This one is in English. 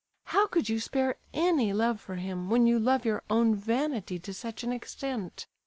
How could you spare any love for him, when you love your own vanity to such an extent?